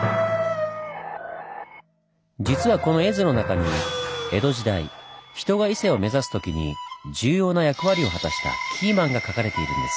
実はこの絵図の中に江戸時代人が伊勢を目指す時に重要な役割を果たしたキーマンがかかれているんです。